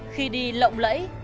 khi đi lộng lẫy